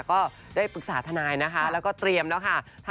ก็ได้ปรึกษาทนายนะคะแล้วก็เตรียมแล้วค่ะ